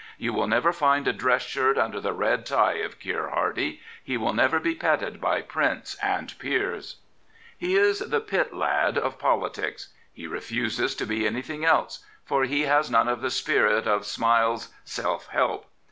You will never find a dress shirt under the red tie of Keir Hardie. He will never be petted by Princes and Peers. He is the pit lad of politics. He refuses to be any thing else, for he ha.s none of the spirit of Smiles' Sdf Help.